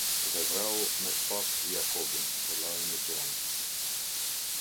Dhe e vrau me shpatë Jakobin, vëllain e Gjonit.